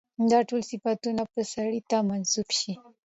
دا ټول صفتونه به سړي ته منسوب شي.